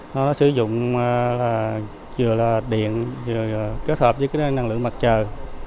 nó sử dụng vừa là điện vừa là kết hợp với năng lượng mặt trời